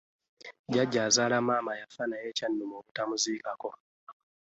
Jjajja azaala maama yafa naye kyannuma obutamuziikako!